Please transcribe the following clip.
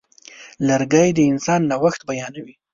لرګی د انسان نوښت بیانوي.